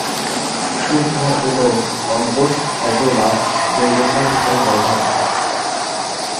শুকনো এবং compost azolla জৈব সার হিসেবে ব্যবহার্য।